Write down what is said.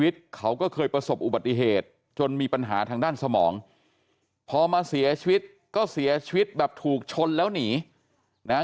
ทางด้านสมองพอมาเสียชีวิตก็เสียชีวิตแบบถูกชนแล้วหนีนะฮะ